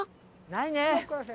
ないね。